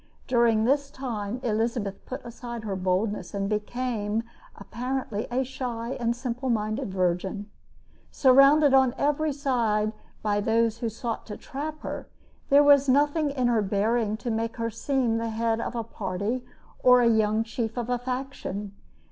During this time Elizabeth put aside her boldness, and became apparently a shy and simple minded virgin. Surrounded on every side by those who sought to trap her, there was nothing in her bearing to make her seem the head of a party or the young chief of a faction.